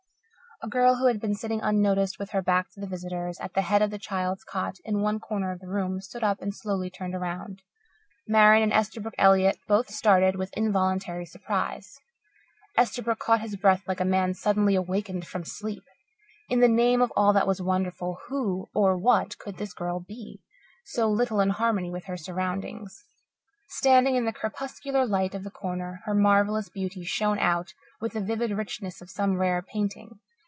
A girl, who had been sitting unnoticed with her back to the visitors, at the head of the child's cot in one corner of the room, stood up and slowly turned around. Marian and Esterbrook Elliott both started with involuntary surprise. Esterbrook caught his breath like a man suddenly awakened from sleep. In the name of all that was wonderful, who or what could this girl be, so little in harmony with her surroundings? Standing in the crepuscular light of the corner, her marvellous beauty shone out with the vivid richness of some rare painting.